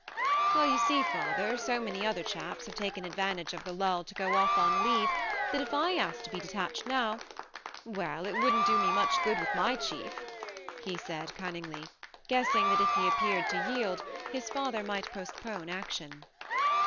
" Well, you see, father, so many other chaps have taken advantage of the lull to go off on leave that if I asked to be detached now well, it wouldn't do me much good with my chief," he said cunningly, guessing that if he appeared to yield his father might postpone action.